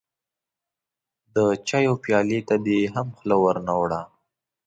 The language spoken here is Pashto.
د چايو پيالې ته دې هم خوله ور نه وړه.